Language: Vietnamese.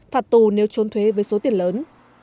phạt tù nếu trốn thuế với số tiền lớn